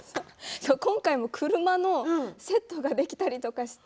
今回も車のセットができたりとかして。